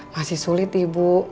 masih sulit ibu